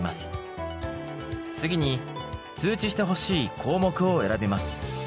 次に通知してほしい項目を選びます。